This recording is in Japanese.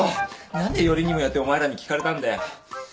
何でよりにもよってお前らに聞かれたんだよ。